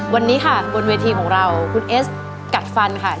วันนี้ค่ะบนเวทีของเราคุณเอสกัดฟันค่ะ